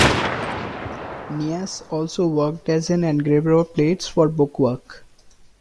Kneass also worked as an engraver of plates for bookwork.